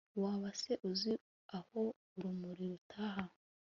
waba se uzi aho urumuri rutaha